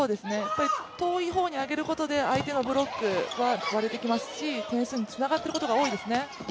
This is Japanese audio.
遠い方に上げることで相手のブロックは割れてきますし点数につながっていることが多いですね。